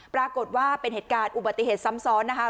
ปรากฏว่าเป็นเหตุการณ์อุบัติเหตุซ้ำซ้อนนะคะ